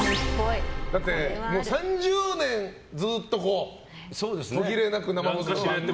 だって、３０年ずっと途切れなく生放送を。